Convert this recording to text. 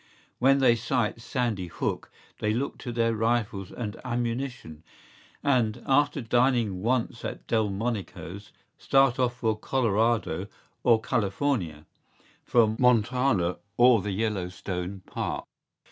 ¬Ý When they sight Sandy Hook they look to their rifles and ammunition; and, after dining once at Delmonico’s, start off for Colorado or California, for Montana or the Yellow Stone Park.